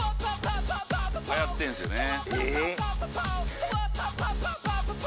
流行ってんすよね。